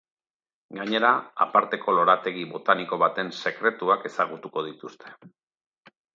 Gainera, aparteko lorategi botaniko baten sekretuak ezagutuko dituzte.